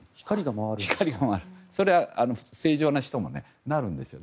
それは正常な人もなるんですよ。